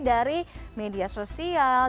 dari media sosial